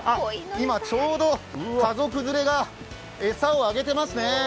今、ちょうど家族連れが餌をあげてますね。